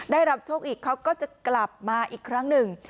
ได้รับโชคอีกเขาก็จะกลับมาอีกครั้งหนึ่ง